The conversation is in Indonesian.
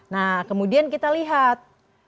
nah kemudian kita lihat